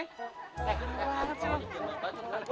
eh gini banget sih lo